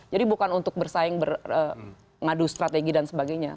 jadi bukan untuk bersaing mengadu strategi dan sebagainya